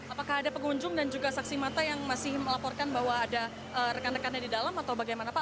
apakah ada pengunjung dan juga saksi mata yang masih melaporkan bahwa ada rekan rekannya di dalam atau bagaimana pak